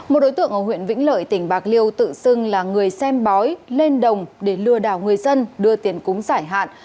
một đối tượng ở huyện vĩnh lợi tỉnh bạc liêu tự xưng là người xem bói lên đồng để lừa đảo người dân đưa tiền cúng giải hạn